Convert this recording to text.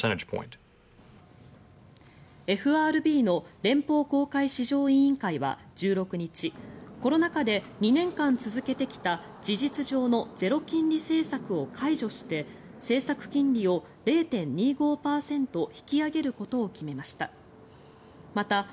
ＦＲＢの連邦公開市場委員会は１６日コロナ禍で２年間続けてきた事実上のゼロ金利政策を解除して政策金利を０．２５％引き上げることを決めました。